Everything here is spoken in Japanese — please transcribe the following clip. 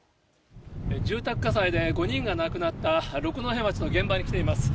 住宅火災で５人が亡くなった六戸町の現場に来ています。